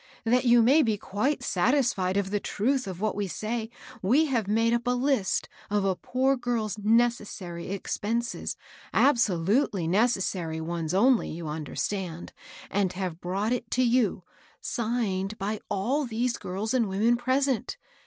That you may be quite satisfied of the truth of what we say, we have made up a list of a poor girl's nec essary expenses, — absolutely necessary ones only, you understand, — and have brought it to you, signed by aU these girls and women present.